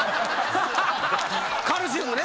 カルシウムね。